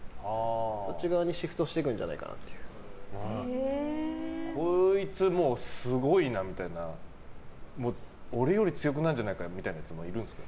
こっち側にシフトしていくんじゃこいつ、もうすごいなみたいな俺より強くなるんじゃないかなみたいなやついるんですか？